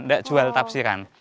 nggak jual tapsiran